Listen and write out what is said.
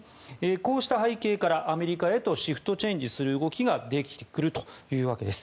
こうした背景からアメリカへとシフトチェンジする動きができてくるというわけです。